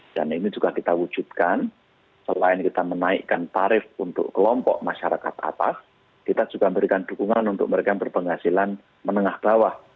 dan ini juga kita wujudkan selain kita menaikkan tarif untuk kelompok masyarakat atas kita juga memberikan dukungan untuk mereka yang berpenghasilan menengah bawah